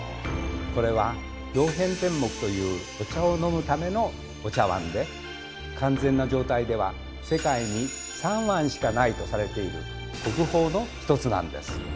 これは「曜変天目」というお茶を飲むためのお茶わんで完全な状態では世界に３碗しかないとされている国宝の一つなんです。